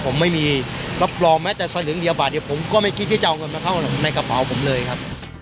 ผมไม่มีรับรองแม้แต่สลึงเดียวบาทเดียวผมก็ไม่คิดที่จะเอาเงินมาเข้าในกระเป๋าผมเลยครับ